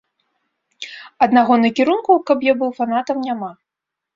Аднаго накірунку, каб я быў фанатам, няма.